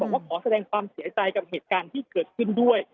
ว่าขอแสดงความเสียใจกับเหตุการณ์ที่เกิดขึ้นด้วย